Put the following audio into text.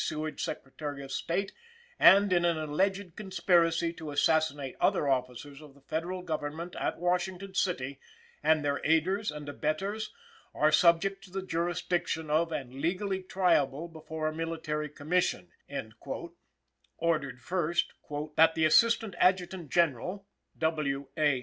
Seward, Secretary of State, and in an alleged conspiracy to assassinate other officers of the Federal Government at Washington City, and their aiders and abettors, are subject to the jurisdiction of and legally triable before a Military Commission," ordered 1st, "that the Assistant Adjutant General (W. A.